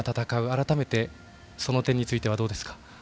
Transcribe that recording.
改めてその点についてはどうですか？